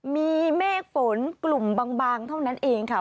มีเมฆฝนกลุ่มบางเท่านั้นเองค่ะ